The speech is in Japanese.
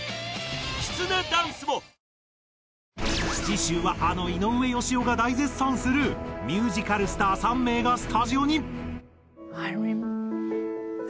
次週はあの井上芳雄が大絶賛するミュージカルスター３名がスタジオに。